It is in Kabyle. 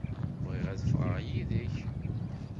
Bɣiɣ ad ffɣeɣ yid-k.